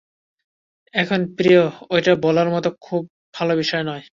এখন, প্রিয়, ঐটা বলার মতো খুব ভালো বিষয় নয়।